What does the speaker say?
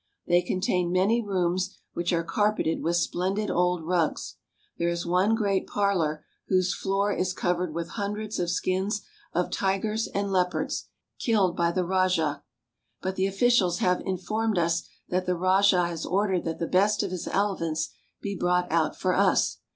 They contain many rooms which are carpeted with splendid old rugs. There is one great parlor whose floor is covered with hundreds of skins of tigers and leopards, killed by the rajah. But the officials have informed us that the rajah has ordered that the best of his elephants be brought out for us.